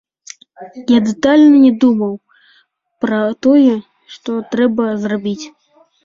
Я дэтальна не думаў пра тое, што трэба зрабіць.